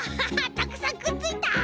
たくさんくっついた！